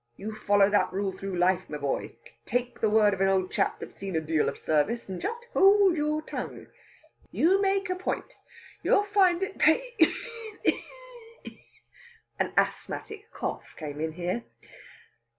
You follow that rule through life, my boy! Take the word of an old chap that's seen a deal of service, and just you hold your tongue! You make a point you'll find it pay " An asthmatic cough came in here.